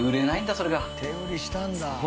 それが手売りしたんだ